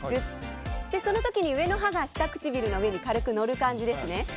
その時に上の歯が下唇の上に軽く乗る感じですね。